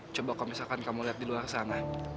coba kalau misalkan kamu lihat di luar sana